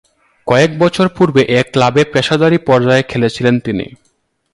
কয়েক বছর পূর্বে এ ক্লাবে পেশাদারী পর্যায়ে খেলেছিলেন তিনি।